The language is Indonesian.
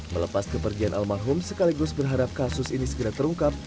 melepas kepergian almarhum sekaligus berharap kasus ini segera terungkap